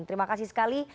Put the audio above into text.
terima kasih sekali